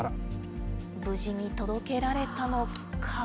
無事に届けられたのか。